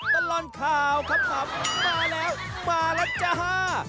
ตลอดข่าวขำมาแล้วมาแล้วจ้า